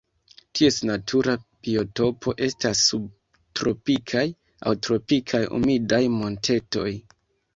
Ties natura biotopo estas subtropikaj aŭ tropikaj humidaj montetoj.